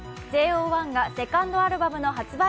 ＪＯ１がセカンドアルバムの発売